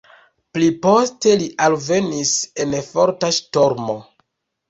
Pliposte li alvenis en forta ŝtormo.